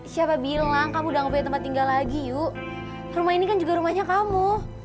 siapa bilang kamu udah gak punya tempat tinggal lagi yuk rumah ini kan juga rumahnya kamu